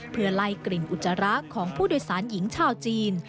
เพื่อไล่กลิ่นอุจจาระของผู้โดยสารหญิงชาวจีน